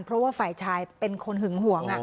เพราะว่าฝ่ายชายเป็นคนหึงห่วง